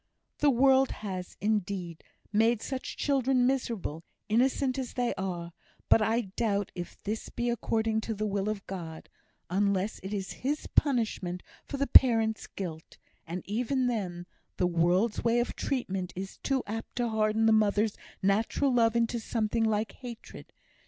"The world has, indeed, made such children miserable, innocent as they are; but I doubt if this be according to the will of God, unless it be His punishment for the parents' guilt; and even then the world's way of treatment is too apt to harden the mother's natural love into something like hatred.